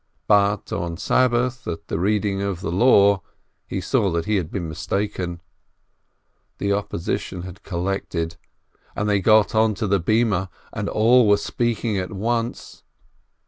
But on Sabbath, at the Reading of the Law, he saw that he had been mistaken. The opposition had collected, and they got onto the platform, and all began speaking at once.